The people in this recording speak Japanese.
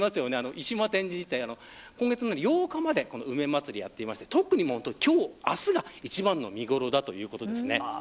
湯島天神自体、今月の８日まで梅祭りをやっていまして特に今日、明日が一番の見頃だということです。